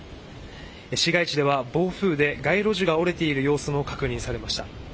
市街地では、暴風雨で街路樹が折れている様子も確認されました。